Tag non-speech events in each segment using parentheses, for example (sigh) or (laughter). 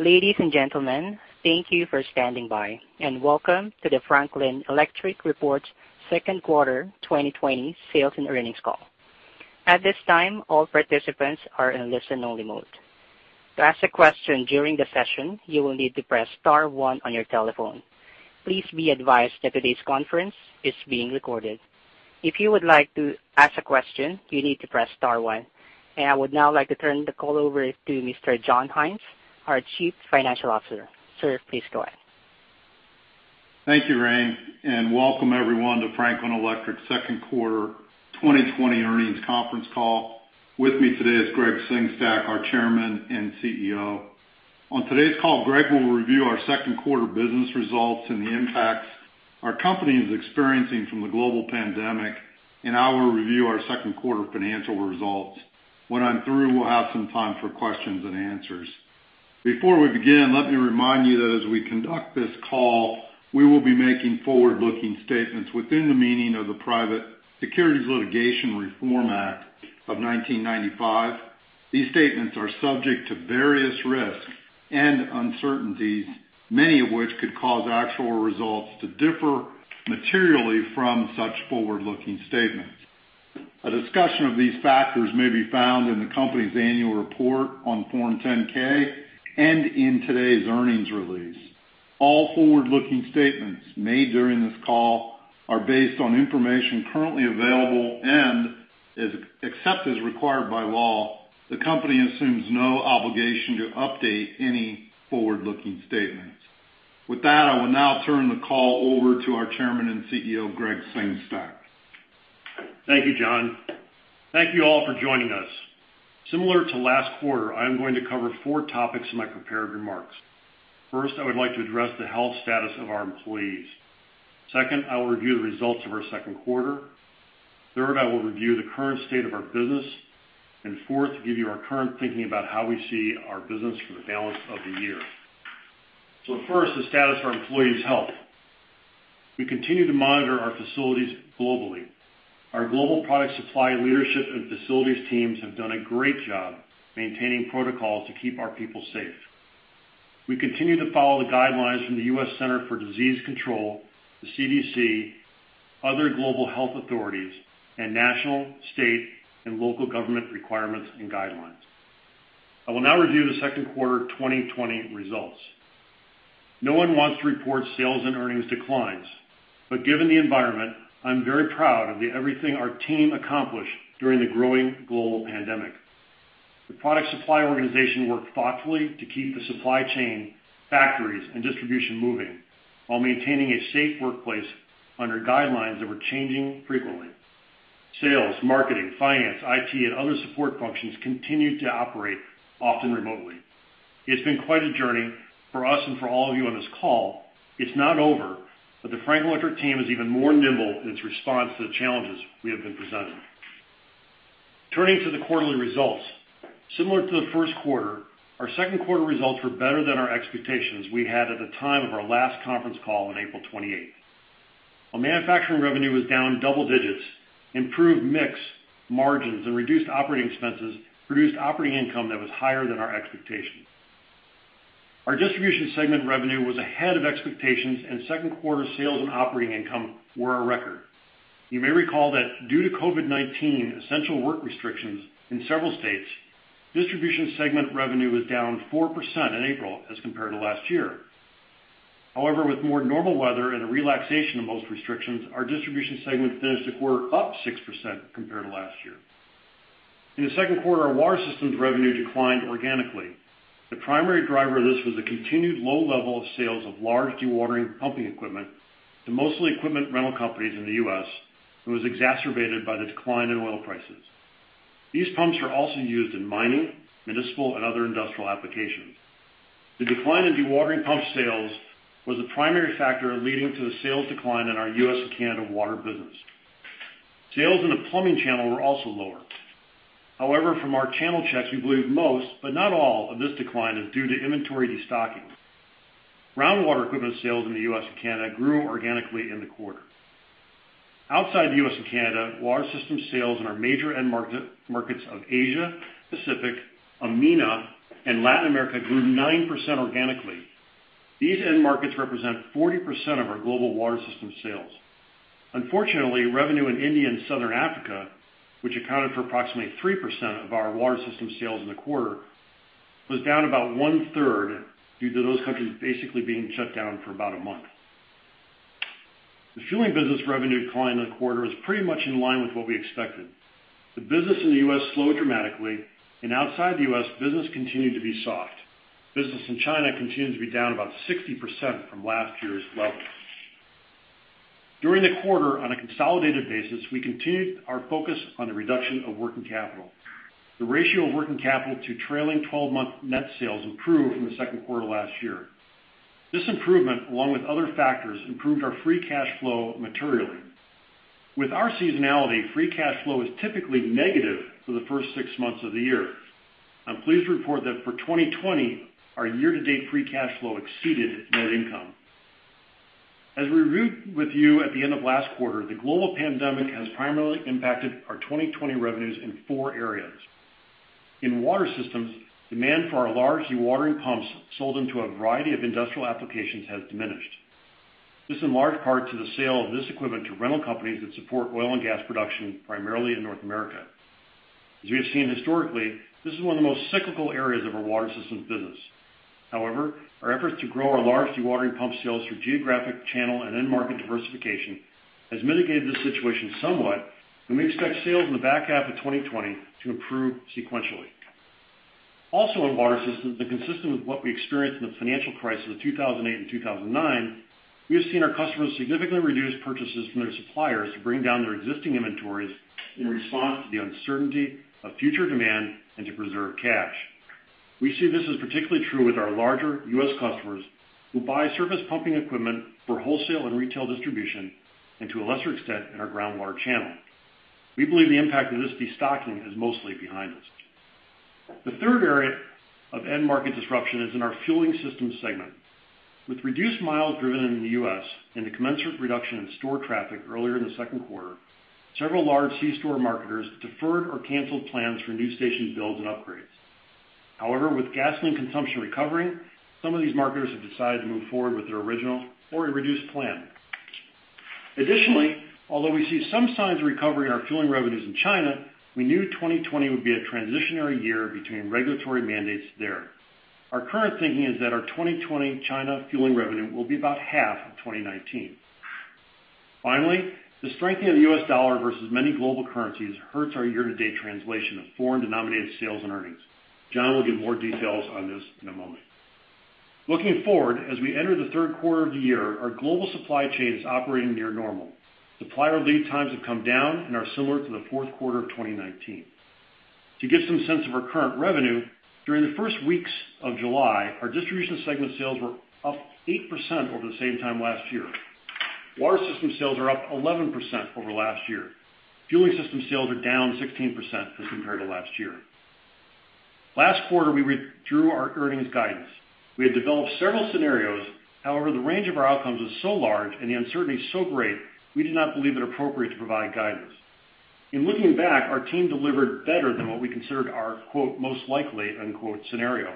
Ladies and gentlemen, thank you for standing by, and welcome to the Franklin Electric report's second quarter 2020 sales and earnings call. At this time, all participants are in listen-only mode. To ask a question during the session, you will need to press star one on your telephone. Please be advised that today's conference is being recorded. If you would like to ask a question, you need to press star one. I would now like to turn the call over to Mr. John Haines, our Chief Financial Officer. Sir, please go ahead. Thank you, Rain, and welcome everyone to Franklin Electric's Second Quarter 2020 Earnings Conference Call. With me today is Gregg Sengstack, our Chairman and CEO. On today's call, Gregg will review our second quarter business results and the impacts our company is experiencing from the global pandemic, and I will review our second quarter financial results. When I'm through, we'll have some time for questions and answers. Before we begin, let me remind you that as we conduct this call, we will be making forward-looking statements within the meaning of the Private Securities Litigation Reform Act of 1995. These statements are subject to various risks and uncertainties, many of which could cause actual results to differ materially from such forward-looking statements. A discussion of these factors may be found in the company's annual report on Form 10-K and in today's earnings release. All forward-looking statements made during this call are based on information currently available and, except as required by law, the company assumes no obligation to update any forward-looking statements. With that, I will now turn the call over to our Chairman and CEO, Gregg Sengstack. Thank you, John. Thank you all for joining us. Similar to last quarter, I am going to cover four topics in my prepared remarks. First, I would like to address the health status of our employees. Second, I will review the results of our second quarter. Third, I will review the current state of our business. Fourth, give you our current thinking about how we see our business for the balance of the year. So first, the status of our employees' health. We continue to monitor our facilities globally. Our global product supply leadership and facilities teams have done a great job maintaining protocols to keep our people safe. We continue to follow the guidelines from the U.S. Centers for Disease Control and Prevention, the CDC, other global health authorities, and national, state, and local government requirements and guidelines. I will now review the second quarter 2020 results. No one wants to report sales and earnings declines, but given the environment, I'm very proud of everything our team accomplished during the growing global pandemic. The product supply organization worked thoughtfully to keep the supply chain, factories, and distribution moving while maintaining a safe workplace under guidelines that were changing frequently. Sales, marketing, finance, IT, and other support functions continue to operate, often remotely. It's been quite a journey for us and for all of you on this call. It's not over, but the Franklin Electric team is even more nimble in its response to the challenges we have been presented. Turning to the quarterly results, similar to the first quarter, our second quarter results were better than our expectations we had at the time of our last conference call on April 28th. While manufacturing revenue was down double digits, improved mix margins and reduced operating expenses produced operating income that was higher than our expectations. Our distribution segment revenue was ahead of expectations, and second quarter sales and operating income were a record. You may recall that due to COVID-19 essential work restrictions in several states, distribution segment revenue was down 4% in April as compared to last year. However, with more normal weather and a relaxation of most restrictions, our distribution segment finished the quarter up 6% compared to last year. In the second quarter, our water systems revenue declined organically. The primary driver of this was the continued low level of sales of large dewatering pumping equipment to mostly equipment rental companies in the U.S., and was exacerbated by the decline in oil prices. These pumps are also used in mining, municipal, and other industrial applications. The decline in dewatering pump sales was the primary factor leading to the sales decline in our U.S. and Canada water business. Sales in the plumbing channel were also lower. However, from our channel checks, we believe most, but not all, of this decline is due to inventory destocking. Groundwater equipment sales in the U.S. and Canada grew organically in the quarter. Outside the U.S. and Canada, water systems sales in our major end markets of Asia, Pacific, EMENA, and Latin America grew 9% organically. These end markets represent 40% of our global water system sales. Unfortunately, revenue in India and Southern Africa, which accounted for approximately 3% of our water system sales in the quarter, was down about one-third due to those countries basically being shut down for about a month. The fueling business revenue decline in the quarter is pretty much in line with what we expected. The business in the U.S. slowed dramatically, and outside the U.S., business continued to be soft. Business in China continued to be down about 60% from last year's levels. During the quarter, on a consolidated basis, we continued our focus on the reduction of working capital. The ratio of working capital to trailing 12-month net sales improved from the second quarter last year. This improvement, along with other factors, improved our Free Cash Flow materially. With our seasonality, Free Cash Flow is typically negative for the first six months of the year. I'm pleased to report that for 2020, our year-to-date Free Cash Flow exceeded net income. As we reviewed with you at the end of last quarter, the global pandemic has primarily impacted our 2020 revenues in four areas. In Water Systems, demand for our large dewatering pumps sold into a variety of industrial applications has diminished. This is in large part to the sale of this equipment to rental companies that support oil and gas production, primarily in North America. As we have seen historically, this is one of the most cyclical areas of our water systems business. However, our efforts to grow our large dewatering pump sales through geographic channel and end market diversification have mitigated this situation somewhat, and we expect sales in the back half of 2020 to improve sequentially. Also, in water systems that are consistent with what we experienced in the financial crisis of 2008 and 2009, we have seen our customers significantly reduce purchases from their suppliers to bring down their existing inventories in response to the uncertainty of future demand and to preserve cash. We see this as particularly true with our larger U.S. customers who buy surface pumping equipment for wholesale and retail distribution, and to a lesser extent in our groundwater channel. We believe the impact of this destocking is mostly behind us. The third area of end market disruption is in our fueling systems segment. With reduced miles driven in the U.S. and the commensurate reduction in store traffic earlier in the second quarter, several large C-store marketers deferred or canceled plans for new station builds and upgrades. However, with gasoline consumption recovering, some of these marketers have decided to move forward with their original or a reduced plan. Additionally, although we see some signs of recovery in our fueling revenues in China, we knew 2020 would be a transitionary year between regulatory mandates there. Our current thinking is that our 2020 China fueling revenue will be about half of 2019. Finally, the strengthening of the U.S. dollar versus many global currencies hurts our year-to-date translation of foreign-denominated sales and earnings. John will give more details on this in a moment. Looking forward, as we enter the third quarter of the year, our global supply chain is operating near normal. Supplier lead times have come down and are similar to the fourth quarter of 2019. To give some sense of our current revenue, during the first weeks of July, our distribution segment sales were up 8% over the same time last year. Water system sales are up 11% over last year. Fueling system sales are down 16% as compared to last year. Last quarter, we redrew our earnings guidance. We had developed several scenarios. However, the range of our outcomes was so large and the uncertainty so great, we did not believe it appropriate to provide guidance. In looking back, our team delivered better than what we considered our "most likely" scenario.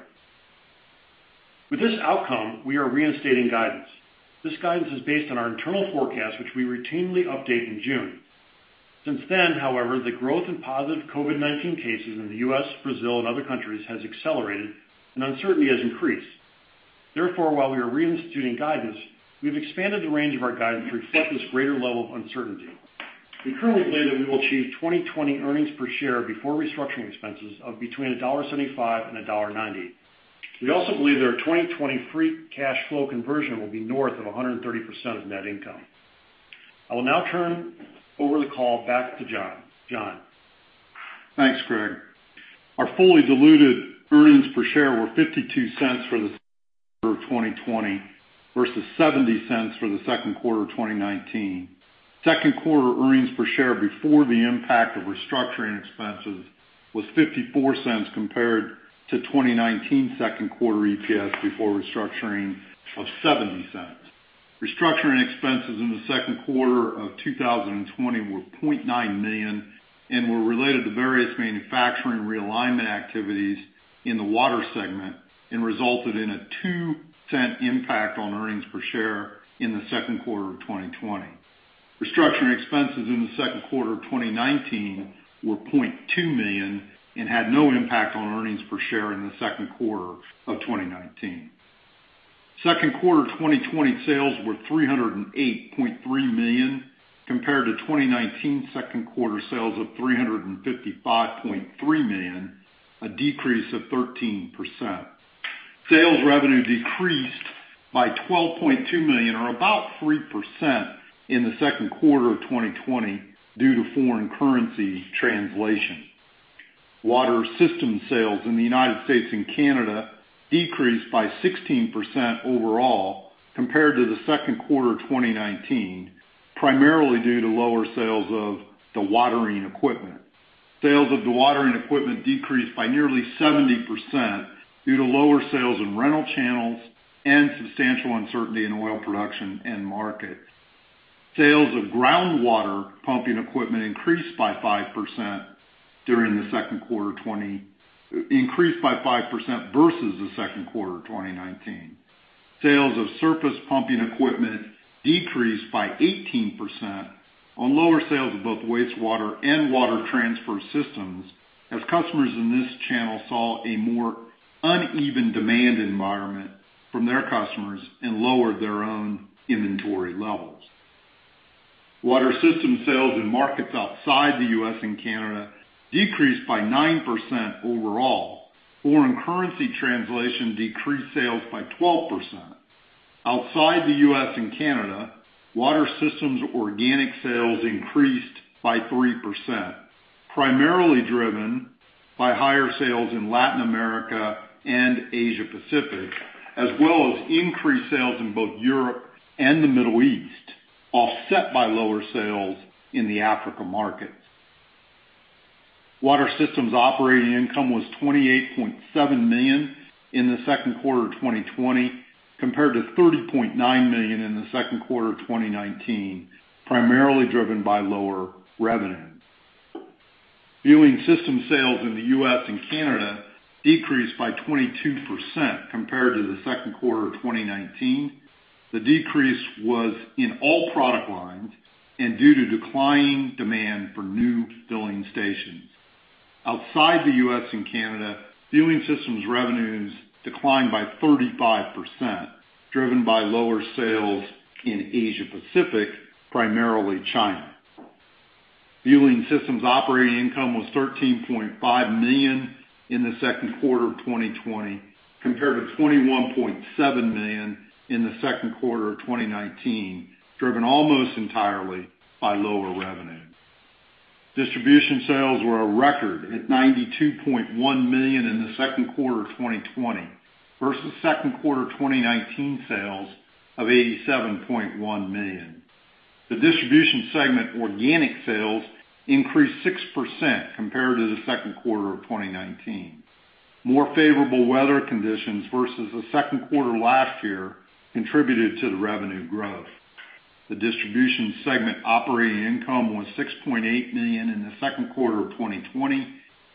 With this outcome, we are reinstating guidance. This guidance is based on our internal forecast, which we routinely update in June. Since then, however, the growth in positive COVID-19 cases in the U.S., Brazil, and other countries has accelerated, and uncertainty has increased. Therefore, while we are reinstating guidance, we have expanded the range of our guidance to reflect this greater level of uncertainty. We currently believe that we will achieve 2020 earnings per share before restructuring expenses of between $1.75 and $1.90. We also believe that our 2020 free cash flow conversion will be north of 130% of net income. I will now turn over the call back to John. John. Thanks, Gregg. Our fully diluted earnings per share were $0.52 for the second quarter of 2020 versus $0.70 for the second quarter of 2019. Second quarter earnings per share before the impact of restructuring expenses was $0.54 compared to 2019 second quarter EPS before restructuring of $0.70. Restructuring expenses in the second quarter of 2020 were $0.9 million and were related to various manufacturing realignment activities in the water segment and resulted in a $0.02 impact on earnings per share in the second quarter of 2020. Restructuring expenses in the second quarter of 2019 were $0.2 million and had no impact on earnings per share in the second quarter of 2019. Second quarter 2020 sales were $308.3 million compared to 2019 second quarter sales of $355.3 million, a decrease of 13%. Sales revenue decreased by $12.2 million, or about 3%, in the second quarter of 2020 due to foreign currency translation. Water systems sales in the United States and Canada decreased by 16% overall compared to the second quarter of 2019, primarily due to lower sales of dewatering equipment. Sales of dewatering equipment decreased by nearly 70% due to lower sales in rental channels and substantial uncertainty in oil production and markets. Sales of groundwater pumping equipment increased by 5% during the second quarter versus the second quarter of 2019. Sales of surface pumping equipment decreased by 18% on lower sales of both wastewater and water transfer systems as customers in this channel saw a more uneven demand environment from their customers and lowered their own inventory levels. Water systems sales in markets outside the U.S. and Canada decreased by 9% overall. Foreign currency translation decreased sales by 12%. Outside the U.S. and Canada, Water Systems organic sales increased by 3%, primarily driven by higher sales in Latin America and Asia-Pacific, as well as increased sales in both Europe and the Middle East, offset by lower sales in the African markets. Water Systems operating income was $28.7 million in the second quarter of 2020 compared to $30.9 million in the second quarter of 2019, primarily driven by lower revenue. Fueling Systems sales in the U.S. and Canada decreased by 22% compared to the second quarter of 2019. The decrease was in all product lines and due to declining demand for new filling stations. Outside the U.S. and Canada, Fueling Systems revenues declined by 35%, driven by lower sales in Asia-Pacific, primarily China. Fueling systems operating income was $13.5 million in the second quarter of 2020 compared to $21.7 million in the second quarter of 2019, driven almost entirely by lower revenue. Distribution sales were a record at $92.1 million in the second quarter of 2020 versus second quarter 2019 sales of $87.1 million. The distribution segment organic sales increased 6% compared to the second quarter of 2019. More favorable weather conditions versus the second quarter last year contributed to the revenue growth. The distribution segment operating income was $6.8 million in the second quarter of 2020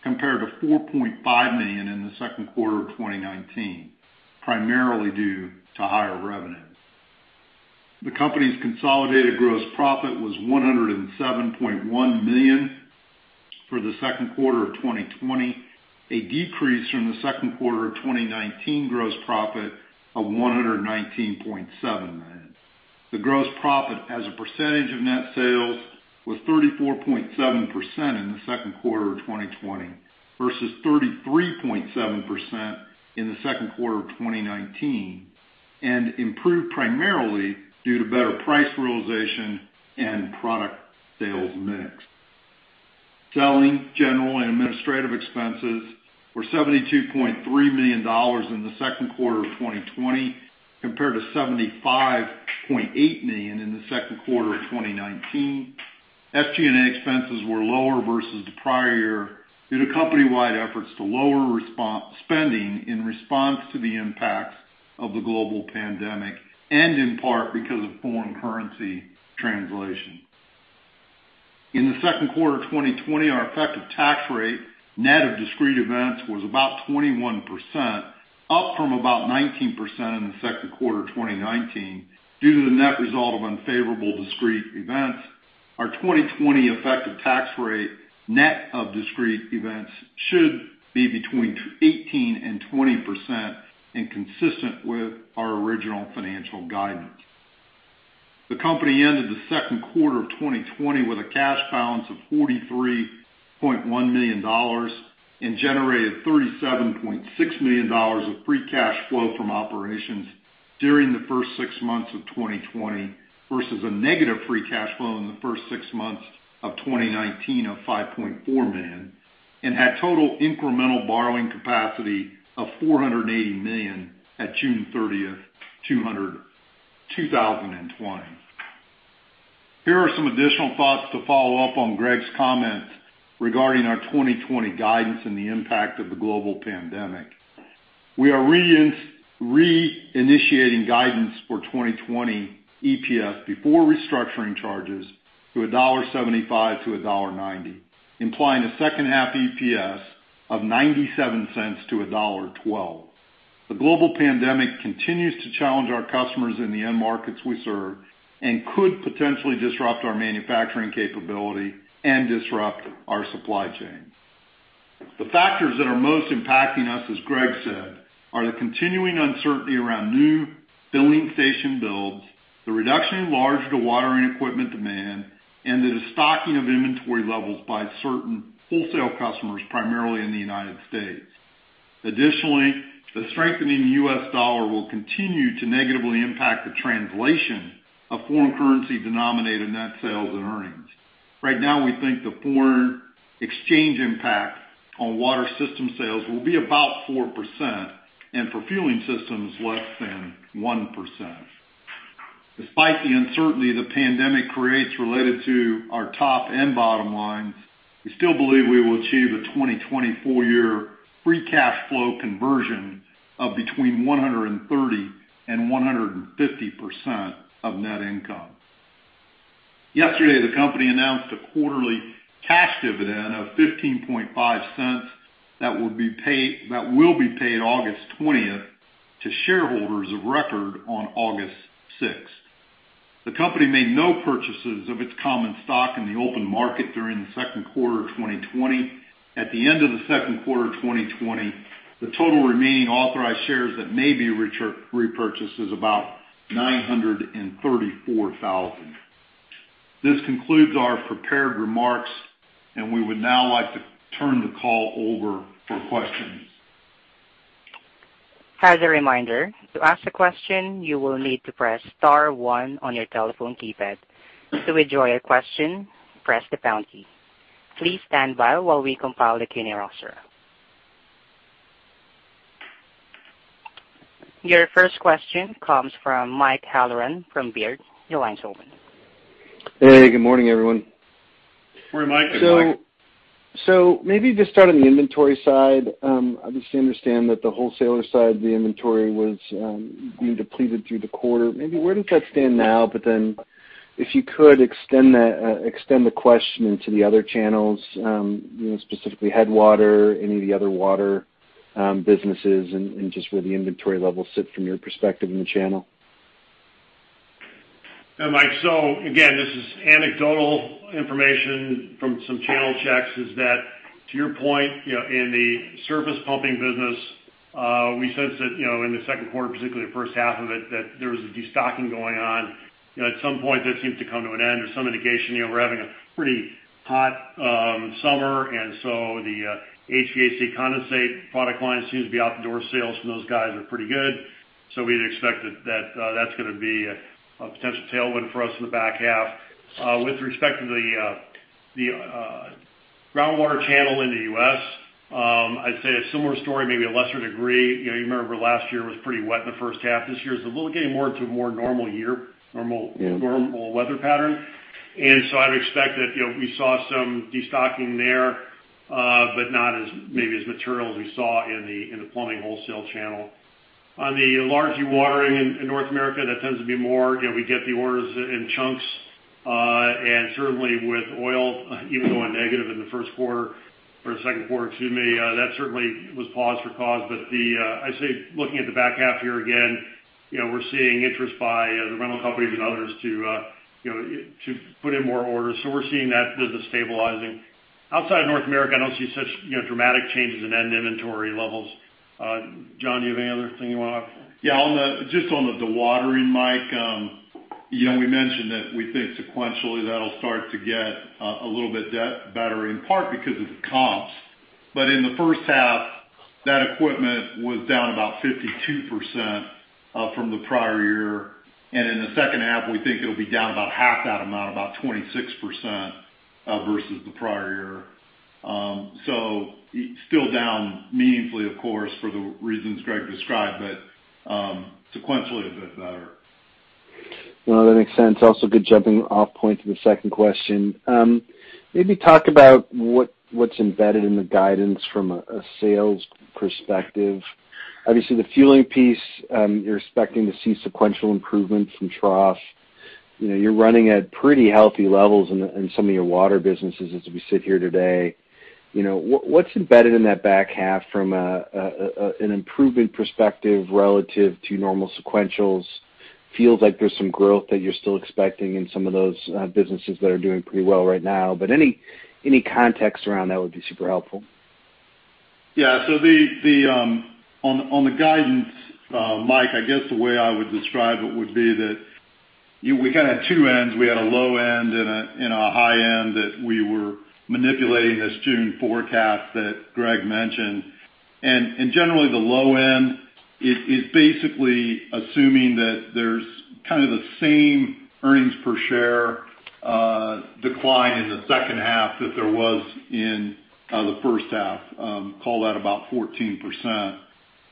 compared to $4.5 million in the second quarter of 2019, primarily due to higher revenue. The company's consolidated gross profit was $107.1 million for the second quarter of 2020, a decrease from the second quarter of 2019 gross profit of $119.7 million. The gross profit as a percentage of net sales was 34.7% in the second quarter of 2020 versus 33.7% in the second quarter of 2019, and improved primarily due to better price realization and product sales mix. Selling general and administrative expenses were $72.3 million in the second quarter of 2020 compared to $75.8 million in the second quarter of 2019. SG&A expenses were lower versus the prior year due to company-wide efforts to lower spending in response to the impacts of the global pandemic and in part because of foreign currency translation. In the second quarter of 2020, our effective tax rate net of discrete events was about 21%, up from about 19% in the second quarter of 2019 due to the net result of unfavorable discrete events. Our 2020 effective tax rate net of discrete events should be between 18% and 20% and consistent with our original financial guidance. The company ended the second quarter of 2020 with a cash balance of $43.1 million and generated $37.6 million of Free Cash Flow from operations during the first six months of 2020 versus a negative Free Cash Flow in the first six months of 2019 of $5.4 million and had total incremental borrowing capacity of $480 million at June 30, 2020. Here are some additional thoughts to follow up on Gregg's comments regarding our 2020 guidance and the impact of the global pandemic. We are reinitiating guidance for 2020 EPS before restructuring charges to $1.75-$1.90, implying a second half EPS of $0.97-$1.12. The global pandemic continues to challenge our customers in the end markets we serve and could potentially disrupt our manufacturing capability and disrupt our supply chain. The factors that are most impacting us, as Gregg said, are the continuing uncertainty around new billing station builds, the reduction in large dewatering equipment demand, and the destocking of inventory levels by certain wholesale customers, primarily in the United States. Additionally, the strengthening U.S. dollar will continue to negatively impact the translation of foreign currency denominated net sales and earnings. Right now, we think the foreign exchange impact on water systems sales will be about 4% and for fueling systems less than 1%. Despite the uncertainty the pandemic creates related to our top and bottom lines, we still believe we will achieve a 2024 year free cash flow conversion of between 130% and 150% of net income. Yesterday, the company announced a quarterly cash dividend of $15.5 that will be paid August 20th to shareholders of record on August 6th. The company made no purchases of its common stock in the open market during the second quarter of 2020. At the end of the second quarter of 2020, the total remaining authorized shares that may be repurchased is about 934,000. This concludes our prepared remarks, and we would now like to turn the call over for questions. As a reminder, to ask a question, you will need to press star one on your telephone keypad. To withdraw your question, press the pound key. Please stand by while we compile the Q&A roster. Your first question comes from Mike Halloran from Baird. Your line's open. Hey, good morning, everyone. Morning, Mike. Good morning. So maybe just start on the inventory side. Obviously, I understand that the wholesaler side, the inventory was being depleted through the quarter. Maybe where does that stand now? But then if you could extend the question into the other channels, specifically Headwater, any of the other water businesses, and just where the inventory levels sit from your perspective in the channel. Mike, so again, this is anecdotal information from some channel checks. Is that to your point, in the surface pumping business, we sensed that in the second quarter, particularly the first half of it, that there was a destocking going on. At some point, that seemed to come to an end. There's some indication we're having a pretty hot summer, and so the HVAC condensate product line seems to be out the door. Sales from those guys are pretty good. So we'd expect that that's going to be a potential tailwind for us in the back half. With respect to the groundwater channel in the U.S., I'd say a similar story, maybe a lesser degree. You remember last year was pretty wet in the first half. This year is a little getting more into a more normal year, normal weather pattern. And so I would expect that we saw some destocking there, but not maybe as material as we saw in the plumbing wholesale channel. On the larger dewatering in North America, that tends to be more we get the orders in chunks. And certainly, with oil, even though in negative in the first quarter or the second quarter, excuse me, that certainly was pause for cause. But I'd say looking at the back half here again, we're seeing interest by the rental companies and others to put in more orders. So we're seeing that business stabilizing. Outside of North America, I don't see such dramatic changes in end inventory levels. John, do you have any other thing you want to offer? Yeah, just on the dewatering, Mike, we mentioned that we think sequentially that'll start to get a little bit better, in part because of the comps. But in the first half, that equipment was down about 52% from the prior year. And in the second half, we think it'll be down about half that amount, about 26% versus the prior year. So still down meaningfully, of course, for the reasons Gregg described, but sequentially a bit better. No, that makes sense. Also, good jumping-off point to the second question. Maybe talk about what's embedded in the guidance from a sales perspective. Obviously, the fueling piece, you're expecting to see sequential improvements from trough. You're running at pretty healthy levels in some of your water businesses as we sit here today. What's embedded in that back half from an improvement perspective relative to normal sequentials? Feels like there's some growth that you're still expecting in some of those businesses that are doing pretty well right now. But any context around that would be super helpful. Yeah, so on the guidance, Mike, I guess the way I would describe it would be that we kind of had two ends. We had a low end and a high end that we were manipulating this June forecast that Gregg mentioned. And generally, the low end is basically assuming that there's kind of the same earnings per share decline in the second half that there was in the first half, call that about 14%,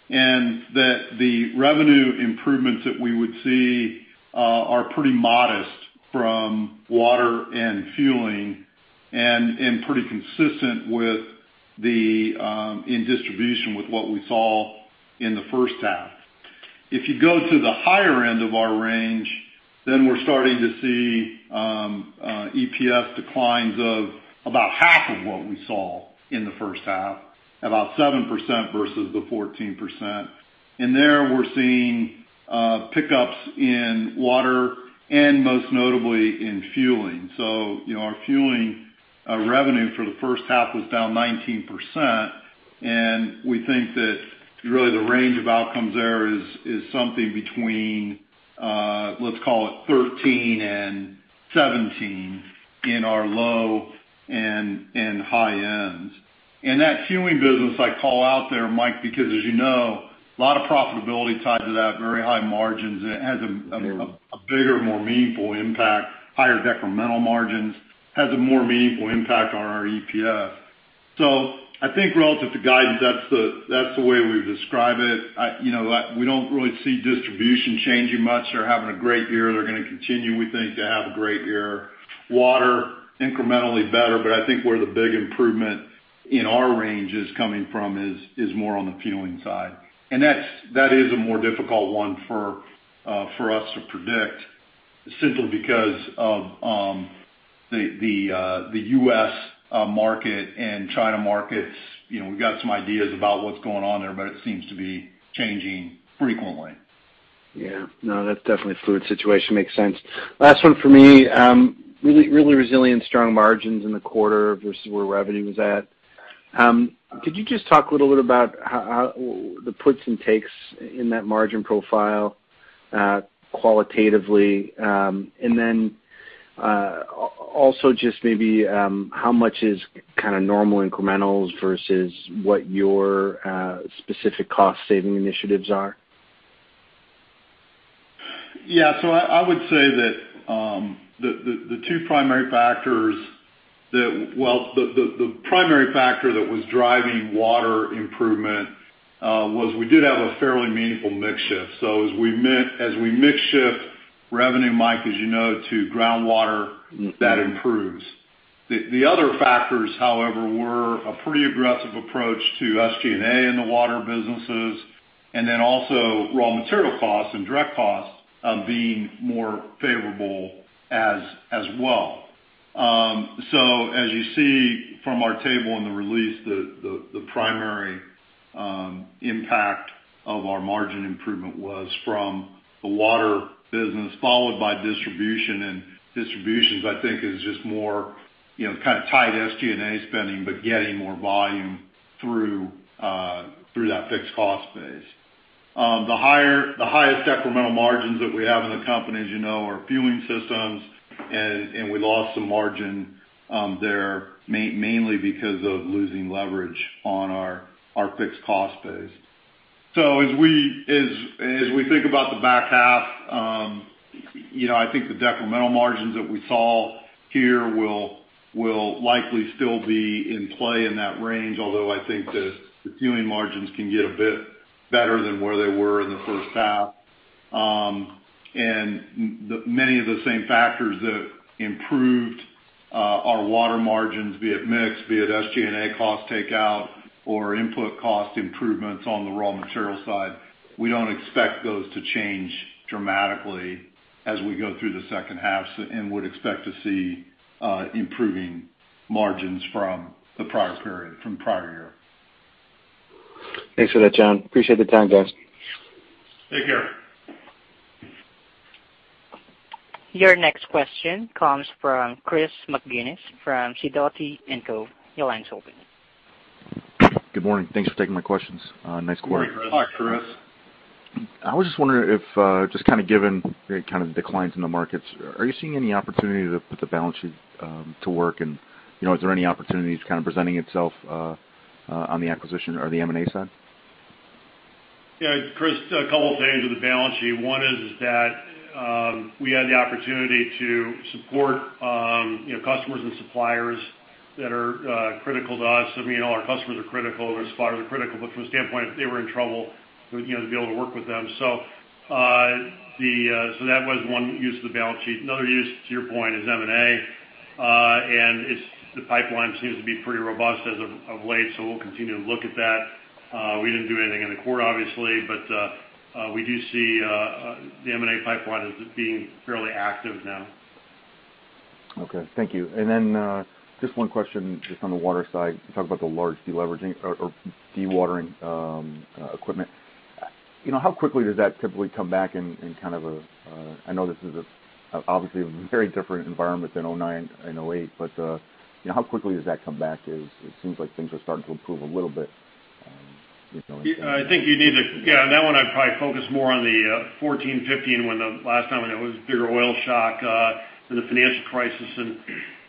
and that the revenue improvements that we would see are pretty modest from water and fueling and pretty consistent in distribution with what we saw in the first half. If you go to the higher end of our range, then we're starting to see EPS declines of about half of what we saw in the first half, about 7% versus the 14%. And there, we're seeing pickups in water and most notably in fueling. So our fueling revenue for the first half was down 19%. And we think that really the range of outcomes there is something between, let's call it, 13 and 17 in our low and high ends. And that fueling business I call out there, Mike, because as you know, a lot of profitability tied to that, very high margins, and it has a bigger, more meaningful impact, higher decremental margins, has a more meaningful impact on our EPS. So I think relative to guidance, that's the way we would describe it. We don't really see distribution changing much. They're having a great year. They're going to continue, we think, to have a great year. Water, incrementally better. But I think where the big improvement in our range is coming from is more on the fueling side. And that is a more difficult one for us to predict simply because of the U.S. market and China markets. We've got some ideas about what's going on there, but it seems to be changing frequently. Yeah. No, that's definitely a fluid situation. Makes sense. Last one for me, really resilient, strong margins in the quarter versus where revenue was at. Could you just talk a little bit about the puts and takes in that margin profile qualitatively? And then also just maybe how much is kind of normal incrementals versus what your specific cost-saving initiatives are? Yeah, so I would say that the primary factor that was driving water improvement was we did have a fairly meaningful mix-shift. So as we mix-shift revenue, Mike, as you know, to groundwater, that improves. The other factors, however, were a pretty aggressive approach to SG&A and the water businesses and then also raw material costs and direct costs being more favorable as well. So as you see from our table in the release, the primary impact of our margin improvement was from the water business followed by distribution. And distribution, I think, is just more kind of tight SG&A spending but getting more volume through that fixed cost base. The highest decremental margins that we have in the company, as you know, are fueling systems. And we lost some margin there mainly because of losing leverage on our fixed cost base. As we think about the back half, I think the decremental margins that we saw here will likely still be in play in that range, although I think the fueling margins can get a bit better than where they were in the first half. Many of the same factors that improved our water margins, be it mix, be it SG&A cost takeout or input cost improvements on the raw material side, we don't expect those to change dramatically as we go through the second half and would expect to see improving margins from the prior year. Thanks for that, John. Appreciate the time, guys. Take care. Your next question comes from Chris McGinnis from Sidoti & Co. Your line's open. Good morning. Thanks for taking my questions. Nice question. Good morning, Chris. Hi, Chris. I was just wondering if just kind of given kind of the declines in the markets, are you seeing any opportunity to put the balance sheet to work? And is there any opportunity kind of presenting itself on the acquisition or the M&A side? Yeah, Chris, a couple of things with the balance sheet. One is that we had the opportunity to support customers and suppliers that are critical to us. I mean, all our customers are critical. Their suppliers are critical. But from a standpoint, they were in trouble to be able to work with them. So that was one use of the balance sheet. Another use, to your point, is M&A. And the pipeline seems to be pretty robust as of late. So we'll continue to look at that. We didn't do anything in the quarter, obviously, but we do see the M&A pipeline as being fairly active now. Okay. Thank you. And then just one question just on the water side. You talked about the large dewatering equipment. How quickly does that typically come back in kind of a, I know this is obviously a very different environment than 2009 and 2008, but how quickly does that come back? It seems like things are starting to improve a little bit in terms of. I think you need to yeah, on that one, I'd probably focus more on the 2014, 2015 when the last time when there was a bigger oil shock than the financial crisis.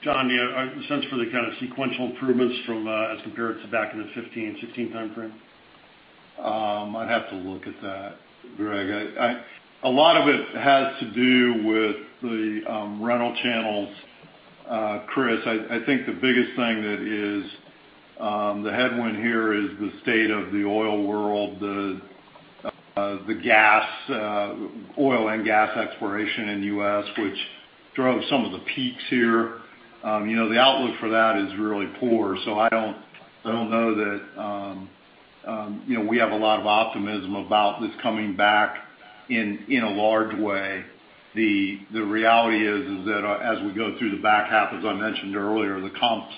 John, do you have a sense for the kind of sequential improvements as compared to back in the 2015, 2016 timeframe? I'd have to look at that, Gregg. A lot of it has to do with the rental channels. Chris, I think the biggest thing that is the headwind here is the state of the oil world, the oil and gas exploration in the U.S., which drove some of the peaks here. The outlook for that is really poor. So I don't know that we have a lot of optimism about this coming back in a large way. The reality is that as we go through the back half, as I mentioned earlier, the comps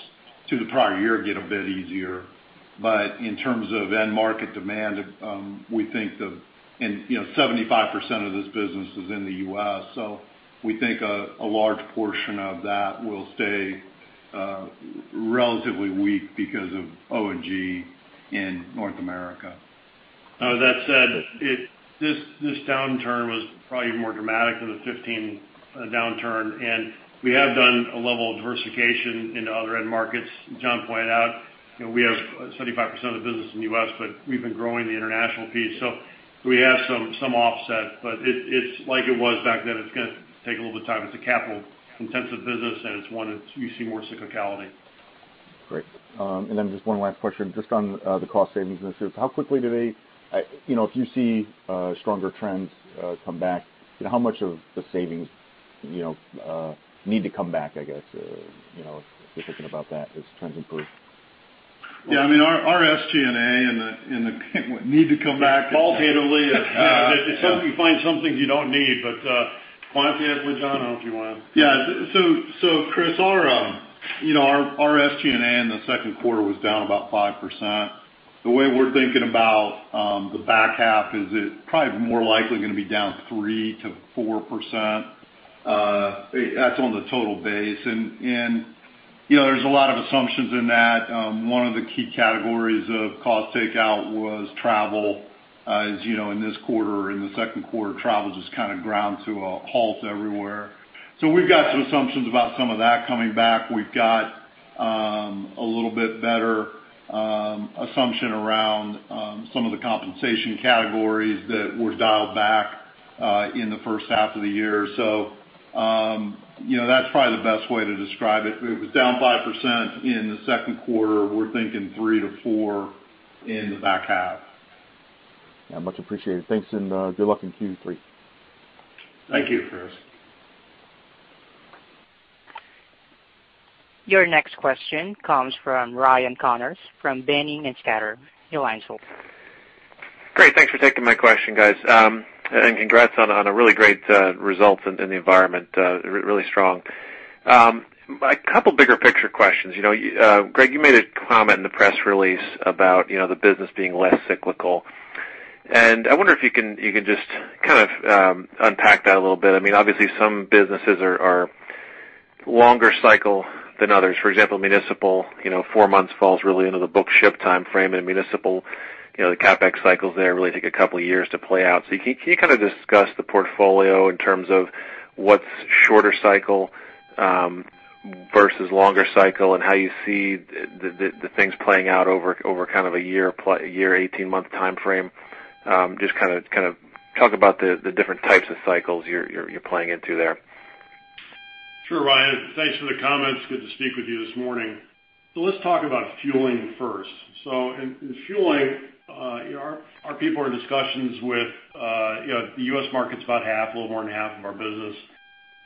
to the prior year get a bit easier. But in terms of end-market demand, we think the and 75% of this business is in the U.S. So we think a large portion of that will stay relatively weak because of O&G in North America. That said, this downturn was probably even more dramatic than the 2015 downturn. We have done a level of diversification into other end markets. John pointed out we have 75% of the business in the U.S., but we've been growing the international piece. We have some offset. But it's like it was back then. It's going to take a little bit of time. It's a capital-intensive business, and it's one that you see more cyclicality. Great. And then just one last question just on the cost savings initiative. How quickly do they, if you see stronger trends, come back? How much of the savings need to come back, I guess, if you're thinking about that, as trends improve? Yeah, I mean, our SG&A and the need to come back. Qualitatively, you find some things you don't need. But quantitatively, John, I don't know if you want to. Yeah. So Chris, our SG&A in the second quarter was down about 5%. The way we're thinking about the back half is it's probably more likely going to be down 3%-4%. That's on the total base. And there's a lot of assumptions in that. One of the key categories of cost takeout was travel. As you know, in this quarter or in the second quarter, travel just kind of ground to a halt everywhere. So we've got some assumptions about some of that coming back. We've got a little bit better assumption around some of the compensation categories that were dialed back in the first half of the year. So that's probably the best way to describe it. It was down 5% in the second quarter. We're thinking 3%-4% in the back half. Yeah, much appreciated. Thanks, and good luck in Q3. Thank you, Chris. Your next question comes from Ryan Connors from Boenning & Scattergood. Your line's open. Great. Thanks for taking my question, guys. And congrats on a really great result in the environment, really strong. A couple of bigger picture questions. Gregg, you made a comment in the press release about the business being less cyclical. And I wonder if you can just kind of unpack that a little bit. I mean, obviously, some businesses are longer cycle than others. For example, municipal, four months falls really into the back half timeframe. And in municipal, the CapEx cycles there really take a couple of years to play out. So can you kind of discuss the portfolio in terms of what's shorter cycle versus longer cycle and how you see the things playing out over kind of a year, 18-month timeframe? Just kind of talk about the different types of cycles you're playing into there. Sure, Ryan. Thanks for the comments. Good to speak with you this morning. So let's talk about fueling first. So in fueling, our people are in discussions with the U.S. market's about half, a little more than half of our business.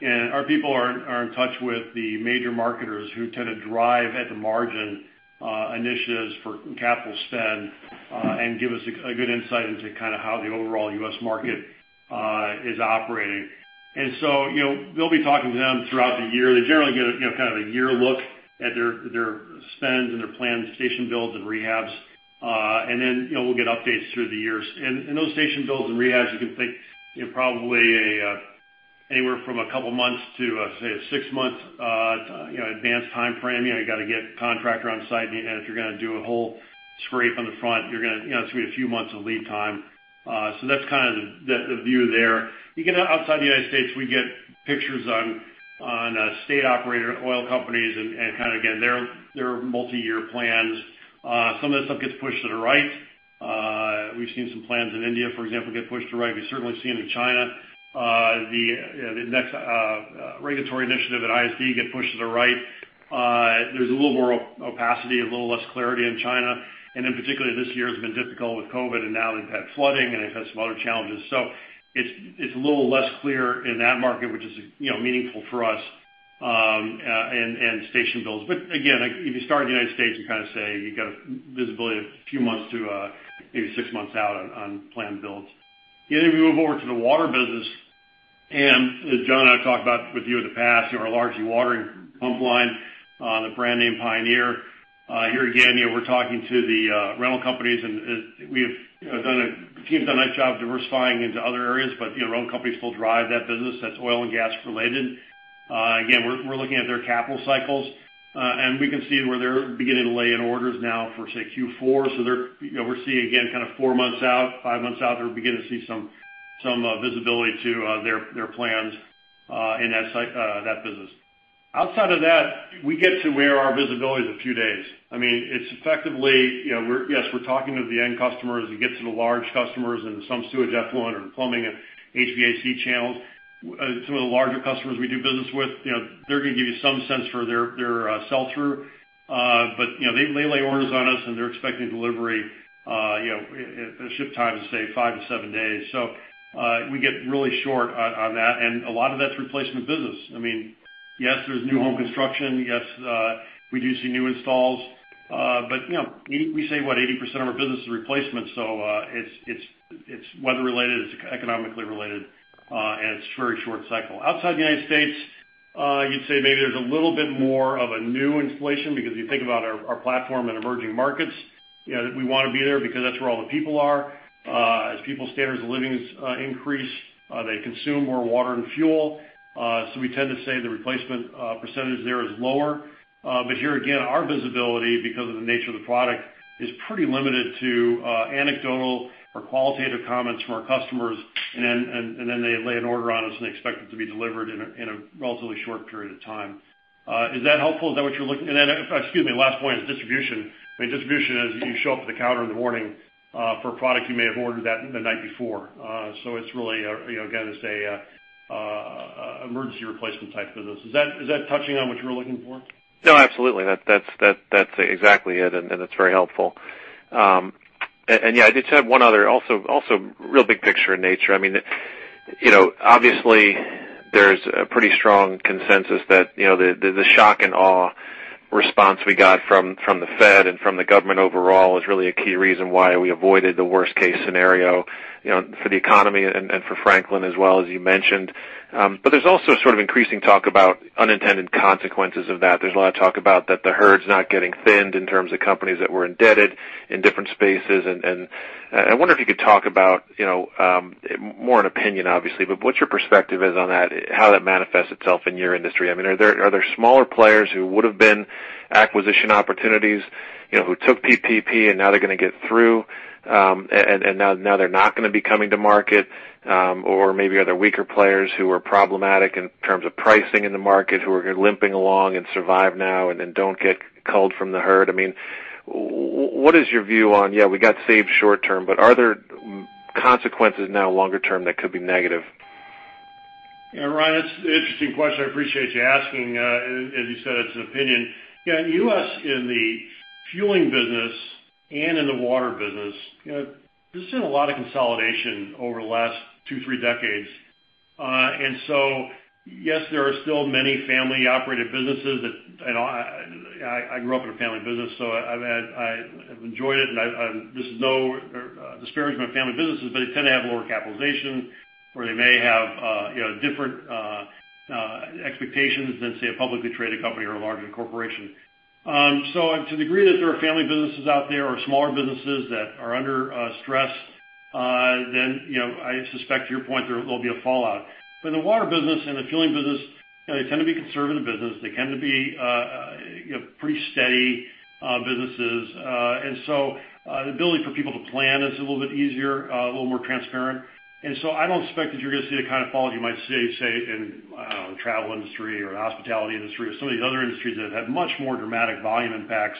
And our people are in touch with the major marketers who tend to drive at the margin initiatives for capital spend and give us a good insight into kind of how the overall U.S. market is operating. And so they'll be talking to them throughout the year. They generally get kind of a year look at their spends and their planned station builds and rehabs. And then we'll get updates through the years. And those station builds and rehabs, you can think probably anywhere from a couple of months to, say, a six-month advanced timeframe. You got to get a contractor on site. And if you're going to do a whole scrape on the front, it's going to be a few months of lead time. So that's kind of the view there. Outside the United States, we get pictures on state-operated oil companies and kind of, again, their multi-year plans. Some of this stuff gets pushed to the right. We've seen some plans in India, for example, get pushed to the right. We've certainly seen it in China. The next regulatory initiative at ISD get pushed to the right. There's a little more opacity, a little less clarity in China. And in particular, this year has been difficult with COVID. And now they've had flooding, and they've had some other challenges. So it's a little less clear in that market, which is meaningful for us and station builds. But again, if you start in the United States, you kind of say you've got visibility a few months to maybe 6 months out on planned builds. And then we move over to the water business. And as John and I have talked about with you in the past, our largely dewatering pump line, the brand name Pioneer. Here again, we're talking to the rental companies. And the team has done a nice job diversifying into other areas. But rental companies still drive that business. That's oil and gas-related. Again, we're looking at their capital cycles. And we can see where they're beginning to lay in orders now for, say, Q4. So we're seeing, again, kind of 4 months out, 5 months out, they're beginning to see some visibility to their plans in that business. Outside of that, we get to where our visibility is a few days. I mean, it's effectively yes, we're talking to the end customers. It gets to the large customers into some sewage effluent or plumbing and HVAC channels. Some of the larger customers we do business with, they're going to give you some sense for their sell-through. But they lay orders on us, and they're expecting delivery. The ship time is, say, 5-7 days. So we get really short on that. And a lot of that's replacement business. I mean, yes, there's new home construction. Yes, we do see new installs. But we say, what, 80% of our business is replacement. So it's weather-related. It's economically related. And it's a very short cycle. Outside the United States, you'd say maybe there's a little bit more of a new inflation because you think about our platform and emerging markets. We want to be there because that's where all the people are. As people's standards of living increase, they consume more water and fuel. So we tend to say the replacement percentage there is lower. But here again, our visibility, because of the nature of the product, is pretty limited to anecdotal or qualitative comments from our customers. And then they lay an order on us, and they expect it to be delivered in a relatively short period of time. Is that helpful? Is that what you're looking and then excuse me. Last point is distribution. I mean, distribution is you show up at the counter in the morning for a product you may have ordered the night before. So it's really, again, it's an emergency replacement type business. Is that touching on what you were looking for? No, absolutely. That's exactly it. And it's very helpful. And yeah, I did just have one other, also real big picture in nature. I mean, obviously, there's a pretty strong consensus that the shock and awe response we got from the Fed and from the government overall is really a key reason why we avoided the worst-case scenario for the economy and for Franklin as well, as you mentioned. But there's also sort of increasing talk about unintended consequences of that. There's a lot of talk about that the herd's not getting thinned in terms of companies that were indebted in different spaces. And I wonder if you could talk about more an opinion, obviously, but what your perspective is on that, how that manifests itself in your industry. I mean, are there smaller players who would have been acquisition opportunities, who took PPP, and now they're going to get through, and now they're not going to be coming to market? Or maybe are there weaker players who are problematic in terms of pricing in the market, who are limping along and survive now and don't get culled from the herd? I mean, what is your view on yeah, we got saved short-term, but are there consequences now longer-term that could be negative? Yeah, Ryan, it's an interesting question. I appreciate you asking. As you said, it's an opinion. Yeah, in the U.S., in the fueling business and in the water business, there's been a lot of consolidation over the last 2-3 decades. And so yes, there are still many family-operated businesses that and I grew up in a family business, so I've enjoyed it. And this is no disparagement of family businesses, but they tend to have lower capitalization, or they may have different expectations than, say, a publicly traded company or a larger corporation. So to the degree that there are family businesses out there or smaller businesses that are under stress, then I suspect, to your point, there'll be a fallout. But in the water business and the fueling business, they tend to be conservative businesses. They tend to be pretty steady businesses. And so the ability for people to plan is a little bit easier, a little more transparent. And so I don't expect that you're going to see the kind of fallout you might see, say, in, I don't know, the travel industry or the hospitality industry or some of these other industries that have had much more dramatic volume impacts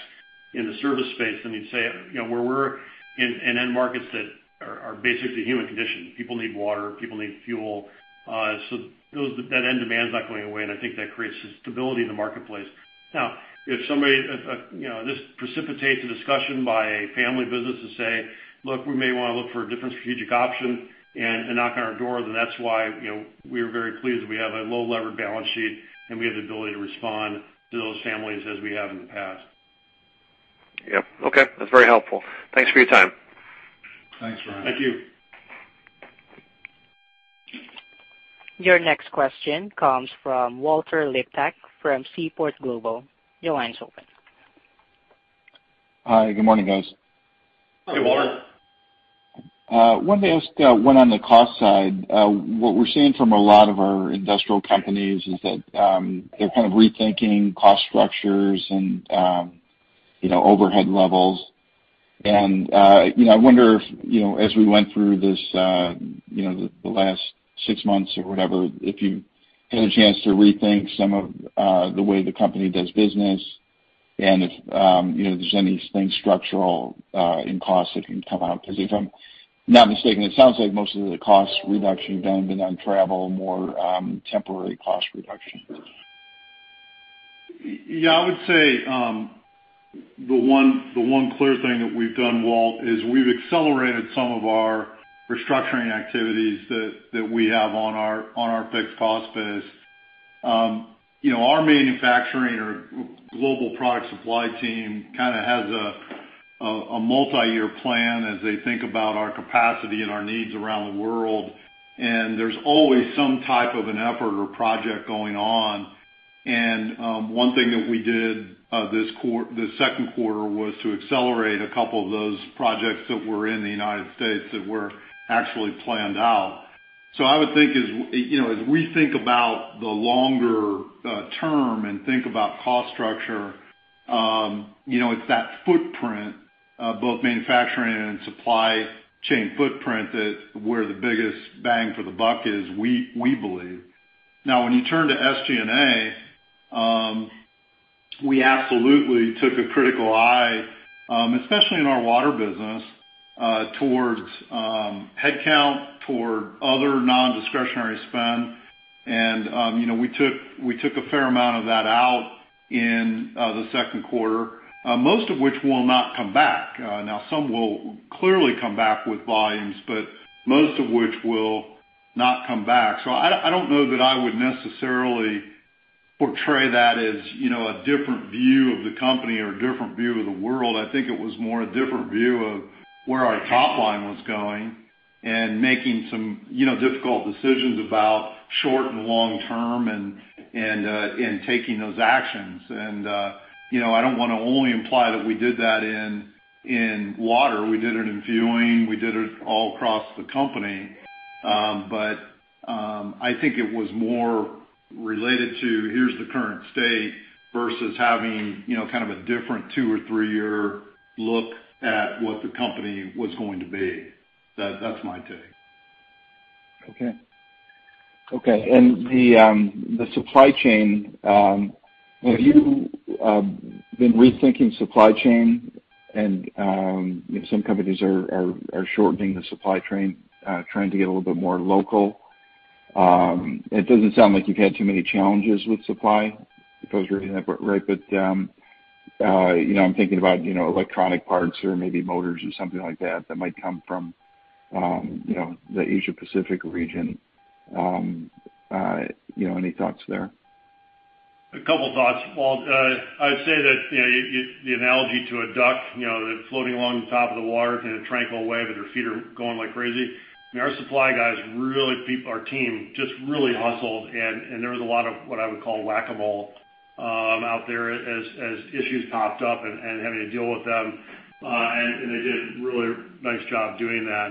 in the service space than you'd say where we're in end markets that are basically human condition. People need water. People need fuel. So that end demand's not going away. And I think that creates stability in the marketplace. Now, if somebody this precipitates a discussion by a family business to say, "Look, we may want to look for a different strategic option and knock on our door," then that's why we are very pleased that we have a low-leverage balance sheet, and we have the ability to respond to those families as we have in the past. Yep. Okay. That's very helpful. Thanks for your time. Thanks, Ryan. Thank you. Your next question comes from Walter Liptak from Seaport Global. Your line's open. Hi. Good morning, guys. Hey, Walter. (crosstalk) I wanted to ask, on the cost side, what we're seeing from a lot of our industrial companies is that they're kind of rethinking cost structures and overhead levels. And I wonder if, as we went through the last six months or whatever, if you had a chance to rethink some of the way the company does business and if there's anything structural in cost that can come out. Because if I'm not mistaken, it sounds like most of the cost reduction you've done has been on travel, more temporary cost reduction. Yeah, I would say the one clear thing that we've done, Walt, is we've accelerated some of our restructuring activities that we have on our fixed cost base. Our manufacturing or global product supply team kind of has a multi-year plan as they think about our capacity and our needs around the world. And there's always some type of an effort or project going on. And one thing that we did this second quarter was to accelerate a couple of those projects that were in the United States that were actually planned out. So I would think, as we think about the longer term and think about cost structure, it's that footprint, both manufacturing and supply chain footprint, where the biggest bang for the buck is, we believe. Now, when you turn to SG&A, we absolutely took a critical eye, especially in our water business, towards headcount, toward other non-discretionary spend. We took a fair amount of that out in the second quarter, most of which will not come back. Now, some will clearly come back with volumes, but most of which will not come back. So I don't know that I would necessarily portray that as a different view of the company or a different view of the world. I think it was more a different view of where our top line was going and making some difficult decisions about short- and long-term and taking those actions. I don't want to only imply that we did that in water. We did it in fueling. We did it all across the company. I think it was more related to, "Here's the current state," versus having kind of a different 2 or 3 year look at what the company was going to be. That's my take. Okay. Okay. The supply chain, have you been rethinking supply chain? Some companies are shortening the supply chain, trying to get a little bit more local. It doesn't sound like you've had too many challenges with supply. If I was reading that right, but I'm thinking about electronic parts or maybe motors or something like that that might come from the Asia-Pacific region. Any thoughts there? A couple of thoughts, Walt. I'd say that the analogy to a duck floating along the top of the water on a tranquil wave with their feet going like crazy. I mean, our supply guys, our team, just really hustled. There was a lot of what I would call whack-a-mole out there as issues popped up and having to deal with them. They did a really nice job doing that.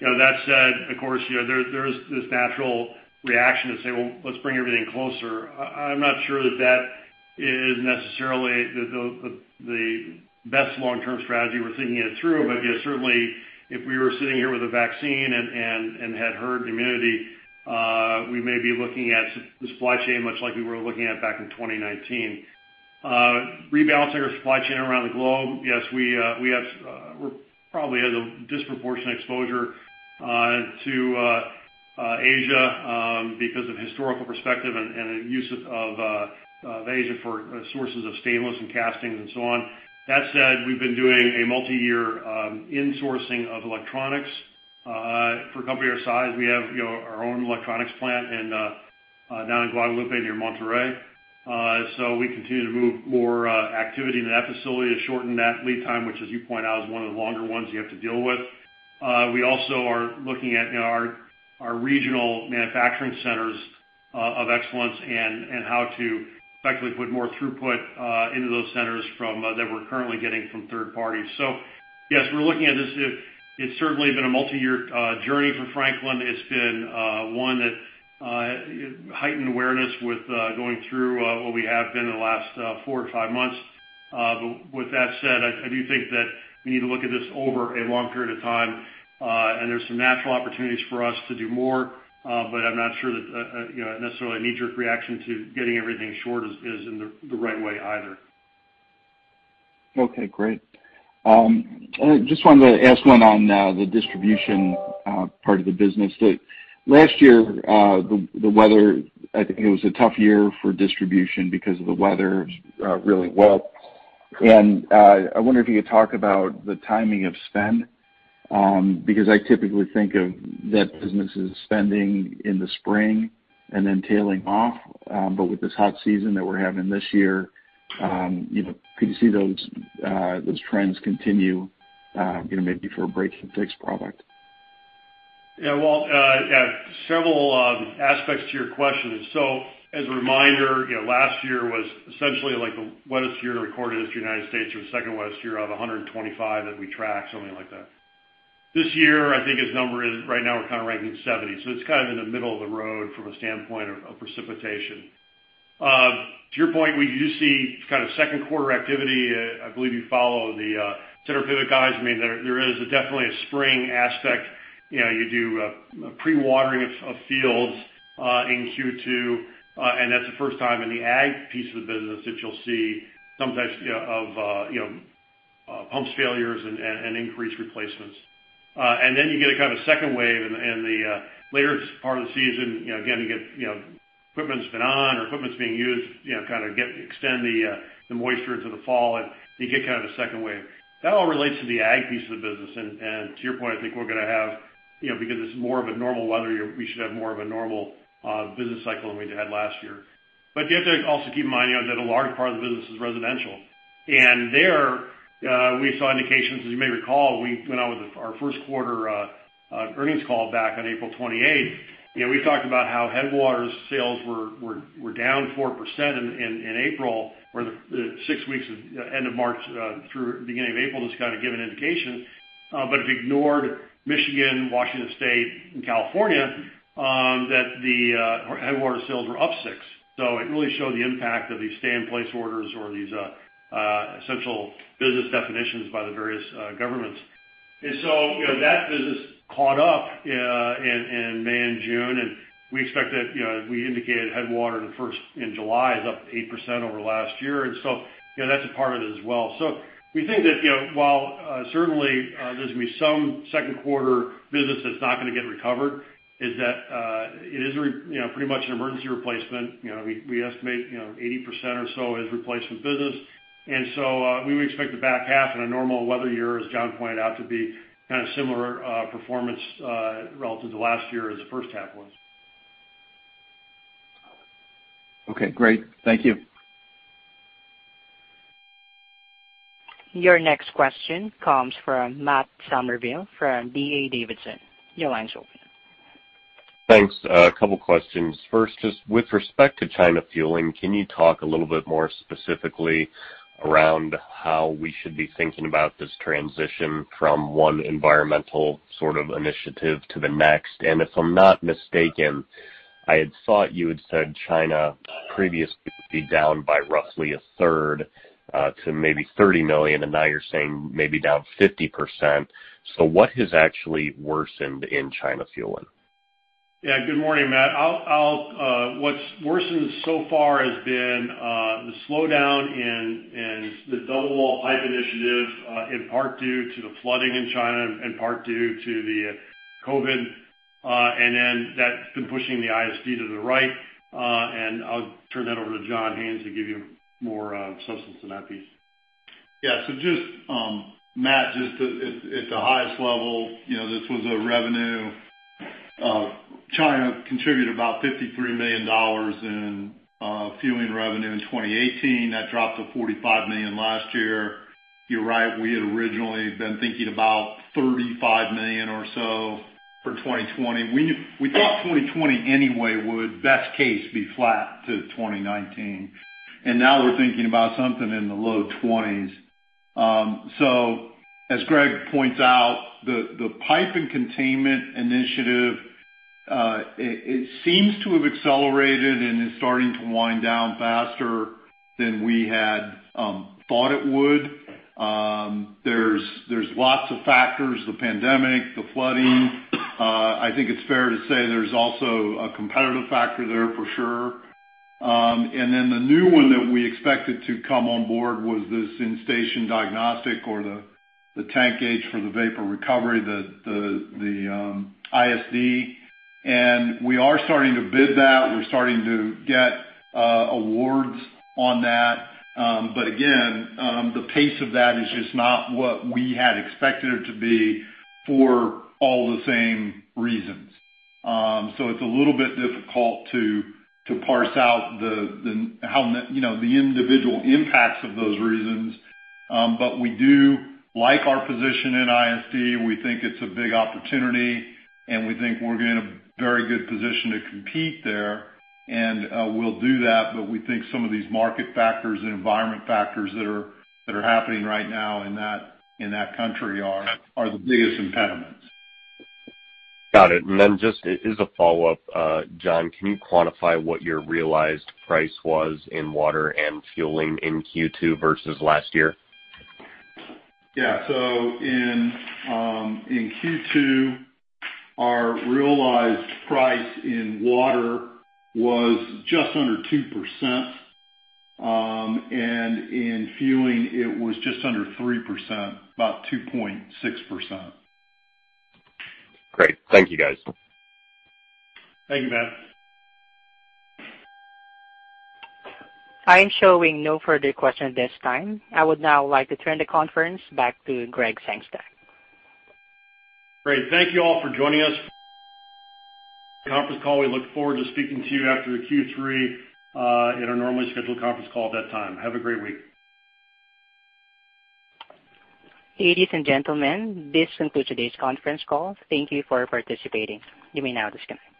That said, of course, there's this natural reaction to say, "Well, let's bring everything closer." I'm not sure that that is necessarily the best long-term strategy. We're thinking it through. But certainly, if we were sitting here with a vaccine and had herd immunity, we may be looking at the supply chain much like we were looking at back in 2019. Rebalancing our supply chain around the globe, yes, we probably have a disproportionate exposure to Asia because of historical perspective and the use of Asia for sources of stainless and castings and so on. That said, we've been doing a multi-year insourcing of electronics. For a company our size, we have our own electronics plant down in Guadalupe near Monterrey. So we continue to move more activity into that facility to shorten that lead time, which, as you point out, is one of the longer ones you have to deal with. We also are looking at our regional manufacturing centers of excellence and how to effectively put more throughput into those centers that we're currently getting from third parties. So yes, we're looking at this. It's certainly been a multi-year journey for Franklin. It's been one that heightened awareness with going through what we have been in the last four or five months. But with that said, I do think that we need to look at this over a long period of time. There's some natural opportunities for us to do more. But I'm not sure that necessarily a knee-jerk reaction to getting everything short is in the right way either. Okay. Great. I just wanted to ask one on the distribution part of the business. Last year, the weather, I think it was a tough year for distribution because of the weather. It was really wet. And I wonder if you could talk about the timing of spend because I typically think of that business as spending in the spring and then tailing off. But with this hot season that we're having this year, could you see those trends continue maybe for a break-and-fix product? Yeah, Walt. Yeah, several aspects to your question. So as a reminder, last year was essentially the wettest year on record in the United States. It was the second wettest year out of 125 that we tracked, something like that. This year, I think, right now, we're kind of ranking 70. So it's kind of in the middle of the road from a standpoint of precipitation. To your point, we do see kind of second-quarter activity. I believe you follow the center pivot guys. I mean, there is definitely a spring aspect. You do pre-watering of fields in Q2. And that's the first time in the ag piece of the business that you'll see some types of pumps failures and increased replacements. And then you get kind of a second wave. And later part of the season, again, you get equipment's been on or equipment's being used, kind of extend the moisture into the fall. And you get kind of a second wave. That all relates to the ag piece of the business. And to your point, I think we're going to have because it's more of a normal weather, we should have more of a normal business cycle than we had last year. But you have to also keep in mind that a large part of the business is residential. And there, we saw indications, as you may recall, we went out with our first quarter earnings call back on April 28th. We talked about how Headwater's sales were down 4% in April, where six weeks of end of March through beginning of April just kind of gave an indication. But if you ignored Michigan, Washington State, and California, that the Headwater's sales were up 6%. So it really showed the impact of these stay-in-place orders or these essential business definitions by the various governments. So that business caught up in May and June. We expect that we indicated Headwater in July is up 8% over last year. So that's a part of it as well. So we think that while certainly, there's going to be some second-quarter business that's not going to get recovered, it is pretty much an emergency replacement. We estimate 80% or so is replacement business. So we would expect the back half in a normal weather year, as John pointed out, to be kind of similar performance relative to last year as the first half was. Okay. Great. Thank you. Your next question comes from Matt Summerville from D.A. Davidson. Your line's open. Thanks. A couple of questions. First, just with respect to China fueling, can you talk a little bit more specifically around how we should be thinking about this transition from one environmental sort of initiative to the next? And if I'm not mistaken, I had thought you had said China previously would be down by roughly a third to maybe $30 million. And now you're saying maybe down 50%. So what has actually worsened in China fueling? Yeah. Good morning, Matt. What's worsened so far has been the slowdown in the double-wall pipe initiative, in part due to the flooding in China, in part due to the COVID. And then that's been pushing the ISD to the right. And I'll turn that over to John Haines to give you more substance on that piece. Yeah. So Matt, just at the highest level, this was a revenue. China contributed about $53 million in fueling revenue in 2018. That dropped to $45 million last year. You're right. We had originally been thinking about $35 million or so for 2020. We thought 2020 anyway would, best case, be flat to 2019. And now we're thinking about something in the low $20. So as Gregg points out, the pipe and containment initiative, it seems to have accelerated and is starting to wind down faster than we had thought it would. There's lots of factors: the pandemic, the flooding. I think it's fair to say there's also a competitive factor there, for sure. And then the new one that we expected to come on board was this in-station diagnostic or the tank gauge for the vapor recovery, the ISD. And we are starting to bid that. We're starting to get awards on that. But again, the pace of that is just not what we had expected it to be for all the same reasons. So it's a little bit difficult to parse out the individual impacts of those reasons. But we do like our position in ISD. We think it's a big opportunity. And we think we're in a very good position to compete there. And we'll do that. But we think some of these market factors and environment factors that are happening right now in that country are the biggest impediments. Got it. And then just as a follow-up, John, can you quantify what your realized price was in water and fueling in Q2 versus last year? Yeah. So in Q2, our realized price in water was just under 2%. And in fueling, it was just under 3%, about 2.6%. Great. Thank you, guys. Thank you, Matt. I'm showing no further questions at this time. I would now like to turn the conference back to Gregg Sengstack. Great. Thank you all for joining us for the conference call. We look forward to speaking to you after Q3 in our normally scheduled conference call at that time. Have a great week. Ladies and gentlemen, this concludes today's conference call. Thank you for participating. You may now disconnect.